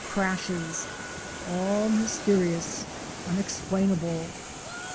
9 crashes; all mysterious — unexplainable.